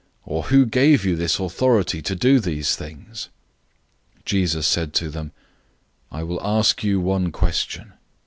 Or who gave you this authority to do these things?" 011:029 Jesus said to them, "I will ask you one question.